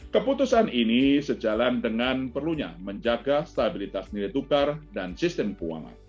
keputusan ini sejalan dengan perlunya menjaga stabilitas nilai tukar dan sistem keuangan